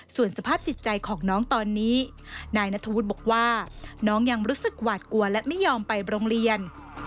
ส่วนสภาพจิตใจของน้องตอนนี้นายนัทธวุฒิบอกว่าน้องยังรู้สึกหวาดกลัวและไม่ยอมไปโรงเรียน